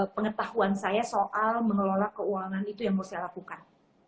pengetahuan saya soal mengelola keuangan itu yang mau saya lakukan